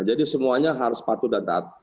jadi semuanya harus patuh dan taat